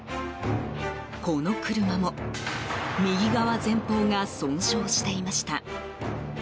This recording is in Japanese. この車も右側前方が損傷していました。